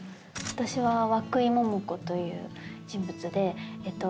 私は涌井桃子という人物で。